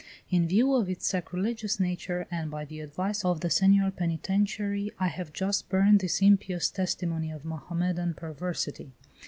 In view of its sacrilegious nature, and by the advice of the Senor Penitentiary, I have just burned this impious testimony to Mohammedan perversity.